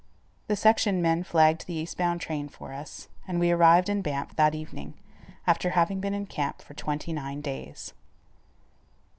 The section men flagged the east bound train for us, and we arrived in Banff that evening, after having been in camp for twenty nine days.